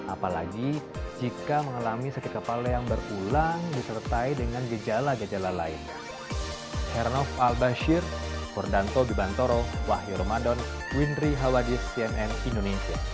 apalagi jika mengalami sakit kepala yang berulang disertai dengan gejala gejala lainnya